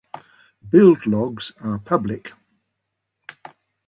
Build logs are public